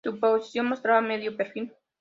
Su posición mostraba medio perfil.